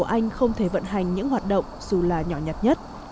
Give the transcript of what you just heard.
anh không thể vận hành những hoạt động dù là nhỏ nhặt nhất